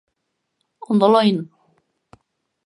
Ondo lo egin.